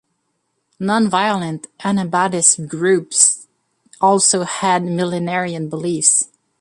Non-violent Anabaptist groups also had millenarian beliefs.